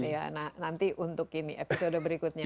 ya nanti untuk ini episode berikutnya